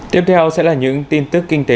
tiếp theo sẽ là những tin tức kinh tế